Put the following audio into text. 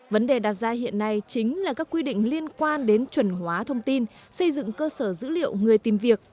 vấn đề đặt ra hiện nay chính là các quy định liên quan đến chuẩn hóa thông tin xây dựng cơ sở dữ liệu người tìm việc